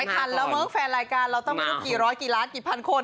คันแล้วเนอะแฟนรายการเราต้องไม่รู้กี่ร้อยกี่ล้านกี่พันคน